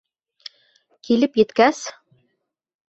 Килеп еткәс: